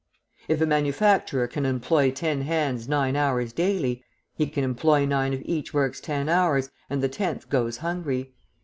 If a manufacturer can employ ten hands nine hours daily, he can employ nine if each works ten hours, and the tenth goes hungry.